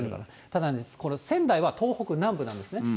ただ、仙台は東北南部なんですね。